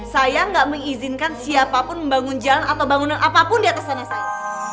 saya gak mengizinkan siapapun membangun jalan atau bangunan apapun diatas tanah saya